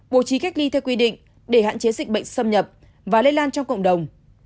bộ trí cách ly theo quy định để hạn chế dịch bệnh xâm nhập và lây lan trong cộng đồng